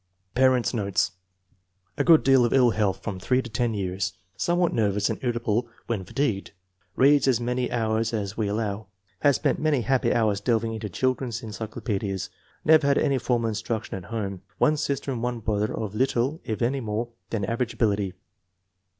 Parents 9 notes. A good deal of ill health from three to ten years. Somewhat nervous and irritable when fa tigued. "Reads as many hours as we allow." Has spent many happy hours delving into children's ency clopedias. Never had any formal instruction at home. One sister and one brother of little if any more than average ability.